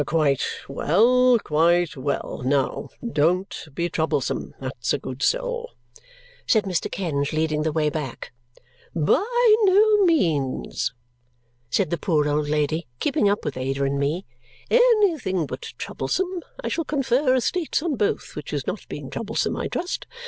"Quite well, quite well! Now don't be troublesome, that's a good soul!" said Mr. Kenge, leading the way back. "By no means," said the poor old lady, keeping up with Ada and me. "Anything but troublesome. I shall confer estates on both which is not being troublesome, I trust?